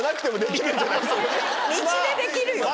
道でできるよ。